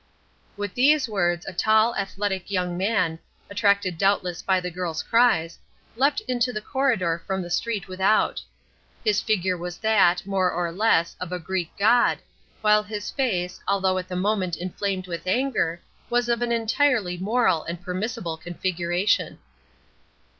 With these words a tall, athletic young man, attracted doubtless by the girl's cries, leapt into the corridor from the street without. His figure was that, more or less, of a Greek god, while his face, although at the moment inflamed with anger, was of an entirely moral and permissible configuration.